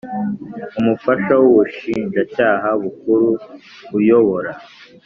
Umufasha w ubushinjacyaha bukuru uyobora